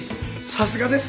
さすがです。